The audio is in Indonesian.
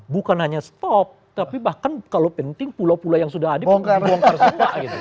bukan hanya stop tapi bahkan kalau penting pulau pulau yang sudah ada dibongkar juga